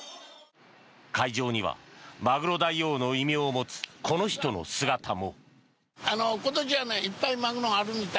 会場にはマグロ大王の異名を持つこの人の姿も。